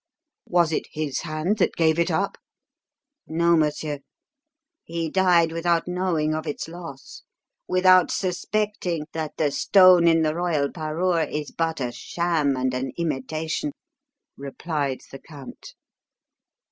"Was it his hand that gave it up?" "No, monsieur. He died without knowing of its loss, without suspecting that the stone in the royal parure is but a sham and an imitation," replied the count.